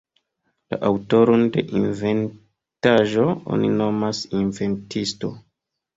La aŭtoron de inventaĵo oni nomas inventisto.